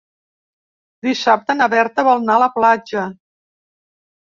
Dissabte na Berta vol anar a la platja.